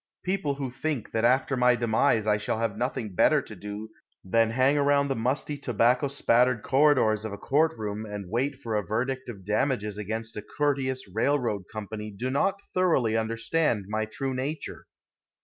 People who think that after my demise I shall have nothing better to do than hang around the musty, tobacco spattered corridors of a court room and wait for a verdict of damages against a courteous railroad company do not thoroughly understand my true nature.